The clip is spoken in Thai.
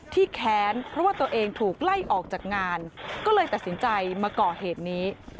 แค้นเพราะว่าตัวเองถูกไล่ออกจากงานก็เลยตัดสินใจมาก่อเหตุนี้